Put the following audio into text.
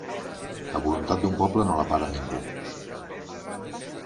La voluntat d’un poble no la para ningú